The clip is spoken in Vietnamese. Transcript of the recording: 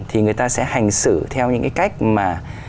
thì người ta sẽ hành xử theo những cái cách mà